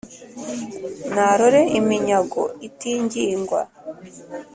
narore iminyago itingingwa,